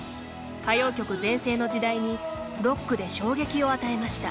歌謡曲全盛の時代にロックで衝撃を与えました。